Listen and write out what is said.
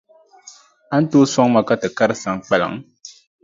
A ni tooi sɔŋ ma ka ti kari Saŋkpaliŋ?